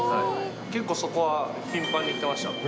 結構そこは頻繁に行ってました。